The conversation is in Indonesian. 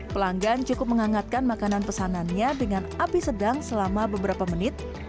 pelanggan cukup menghangatkan makanan pesanannya dengan api sedang selama beberapa menit